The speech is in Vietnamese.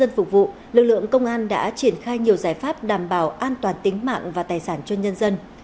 dân phục vụ lực lượng công an đã triển khai nhiều giải pháp đảm bảo an toàn tính mạng và tài sản cho nhân dân